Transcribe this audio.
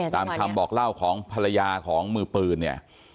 ตามคำบอกเล่าของภรรยาของมือปืนเนี่ย